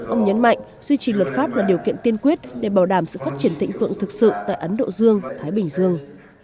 ông nhấn mạnh duy trì luật pháp là điều kiện tiên quyết để bảo đảm sự phát triển thịnh vượng thực sự tại ấn độ dương thái bình dương